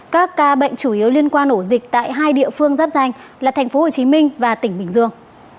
các ca bệnh chủ yếu liên quan nổ dịch tại hai địa phương giáp danh là tp hcm và tỉnh bình dương